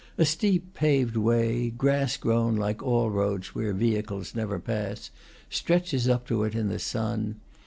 A steep, paved way, grass grown like all roads where vehicles never pass, stretches up to it in the sun.